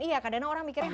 iya kadang orang mikirnya